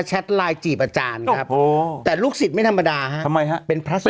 ไลน์จีบอาจารย์ครับแต่ลูกศิษย์ไม่ธรรมดาฮะทำไมฮะเป็นพระ